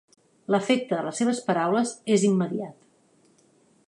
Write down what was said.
L'efecte de les seves paraules és immediat.